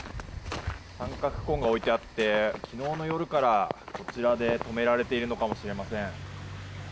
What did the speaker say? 三角コーンが置いてあって昨日の夜からこちらで止められているのかもしれません。